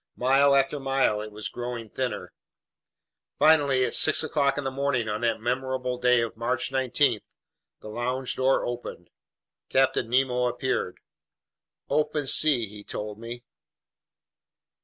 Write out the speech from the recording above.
Mile after mile it was growing thinner. Finally, at six o'clock in the morning on that memorable day of March 19, the lounge door opened. Captain Nemo appeared. "Open sea!" he told me.